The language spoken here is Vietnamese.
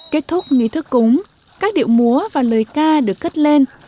kết thúc nghi thức cúng các điệu múa và lời ca được cất lên